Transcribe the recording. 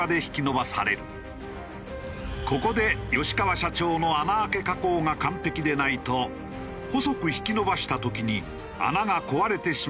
ここで吉川社長の穴あけ加工が完璧でないと細く引き伸ばした時に穴が壊れてしまう事になる。